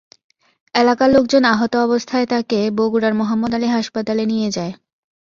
এলাকার লোকজন আহত অবস্থায় তাঁকে বগুড়ার মোহাম্মদ আলী হাসপাতালে নিয়ে যায়।